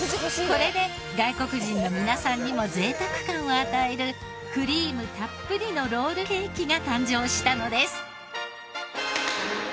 これで外国人の皆さんにも贅沢感を与えるクリームたっぷりのロールケーキが誕生したのです。